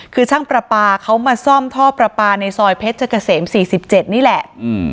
คือช่างประปาเขามาซ่อมท่อประปาในซอยเพชรเกษม๔๗นี่แหละ